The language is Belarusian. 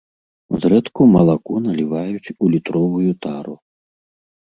Зрэдку малако наліваюць у літровую тару.